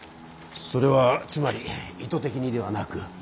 それはつまり意図的にではなく？